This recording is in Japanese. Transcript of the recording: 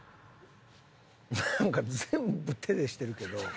なんか全部手でしてるけど。